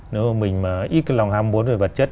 nếu mà mình mà ít cái lòng ham muốn về vật chất